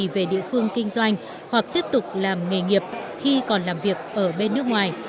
về địa phương kinh doanh hoặc tiếp tục làm nghề nghiệp khi còn làm việc ở bên nước ngoài